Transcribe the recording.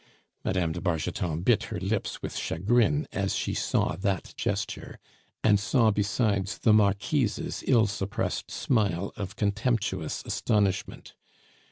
Mme. de Bargeton bit her lips with chagrin as she saw that gesture, and saw besides the Marquise's ill suppressed smile of contemptuous astonishment.